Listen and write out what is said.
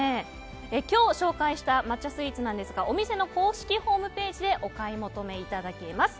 今日、紹介した抹茶スイーツなんですがお店の公式ホームページでお買い求めいただけます。